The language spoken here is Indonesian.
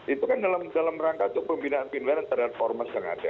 itu kan dalam rangka itu pembinaan pindah waran terhadap ormas yang ada